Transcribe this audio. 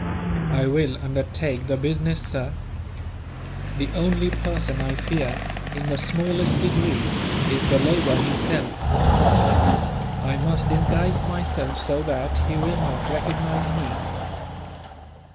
"I will undertake the business, sir. The only person I fear, in the smallest degree, is Balloba himself. I must disguise myself so that he will not recognize me."